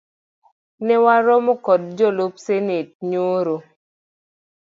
Ne warado kod jalup senate nyoro